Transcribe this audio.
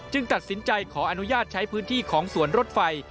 ตัดสินใจขออนุญาตใช้พื้นที่ของสวนรถไฟ